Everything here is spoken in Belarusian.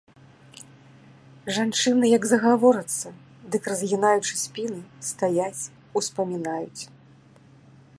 Жанчыны як загаворацца, дык, разгінаючы спіны, стаяць, успамінаюць.